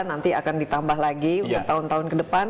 nanti akan ditambah lagi tahun tahun ke depan